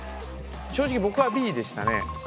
正直僕はＢでしたね。